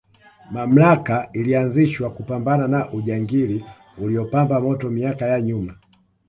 mamlaka ilianzishwa kupambana na ujangili uliopamba moto miaka ya nyuma